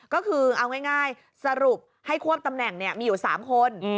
ก็คือเอาง่ายสรุปให้ควบตำแหน่งมีอยู่๓คน